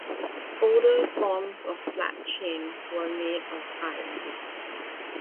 Older forms of flat chain were made of iron.